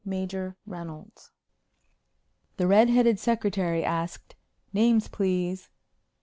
Major Reynolds The red headed secretary asked, "Names, please?"